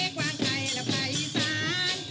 กว้างไก่ละไพรสาน